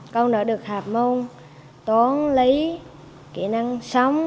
con đã được học môn toán lấy kỹ năng sống